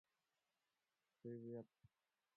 Ощущение мира несет в себе ротор.